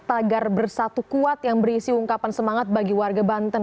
tagar bersatu kuat yang berisi ungkapan semangat bagi warga banten